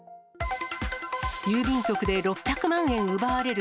郵便局で６００万円奪われる。